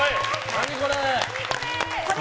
何これ？